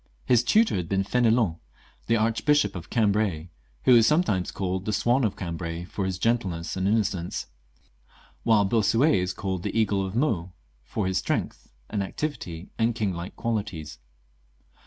His tutor had been F6nelon, the Archbishop of Cambrai, who is sometimes called the Swan of Cambrai, &om his gentleness and inno cence ; while Bossuet is called the Eagle of Meaux, from his strength and activity, and king like qualities.